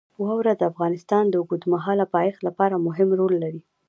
واوره د افغانستان د اوږدمهاله پایښت لپاره مهم رول لري.